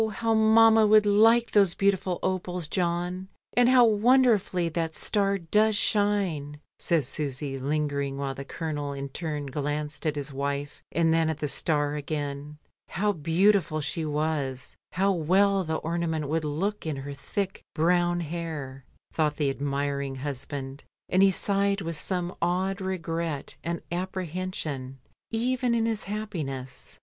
how mamma would like those beautiful opals, John; and how wonderfully that star does shine," says Susy, lingering, while the Colonel in turn glanced at his wife and then at the star again. How beautiful she was, how well the ornament would look in her thick brown hair, thought the admiring husband, and he sighed with some odd regret and apprehension even in his happiness.